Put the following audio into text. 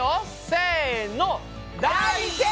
せの！